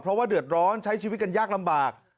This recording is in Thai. เพราะว่าเดือดร้อนใช้ชีวิตกันยากลำบาก